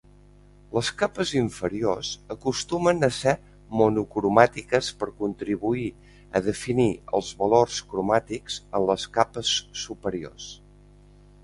Les capes inferiors acostumen a ser monocromàtiques per contribuir a definir els valors cromàtics en les capes superiors.